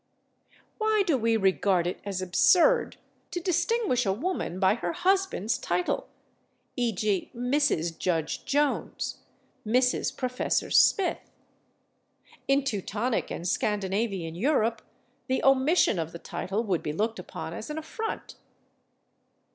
Why do we regard it as absurd to distinguish a woman by her husband's title—e. g., Mrs. Judge Jones, Mrs. Professor Smith? In Teutonic and Scandinavian Europe the omission of the title would be looked upon as an affront.